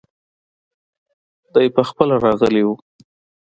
دی پخپله راغلی وو.